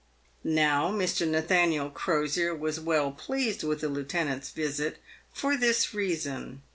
Now Mr. Nathaniel Crosier was well pleased with the lieutenant's visit, for this reason.